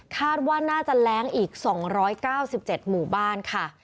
คาดว่าน่าจะแร้งอีก๒๙๗หมู่บ้านค่ะ